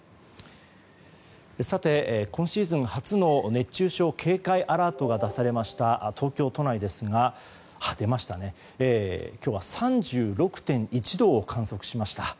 さて、今シーズン初の熱中症警戒アラートが出されました東京都内ですが、今日は３６．１度を観測しました。